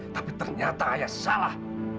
tapi ternyata ayah salah